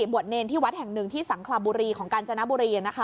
บวชเนรที่วัดแห่งหนึ่งที่สังคลาบุรีของกาญจนบุรี